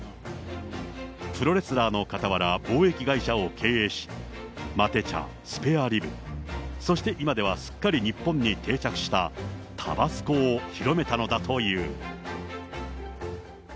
プロレスラーのかたわら、貿易会社を経営し、マテ茶、スペアリブ、そして今ではすっかり日本に定着した、タバスコを広めたのだという。